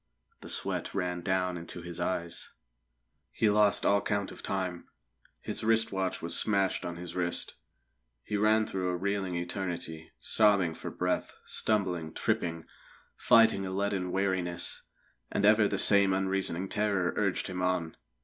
The sweat ran down into his eyes. He lost all count of time; his wrist watch was smashed on his wrist. He ran through a reeling eternity, sobbing for breath, stumbling, tripping, fighting a leaden weariness; and ever the same unreasoning terror urged him on.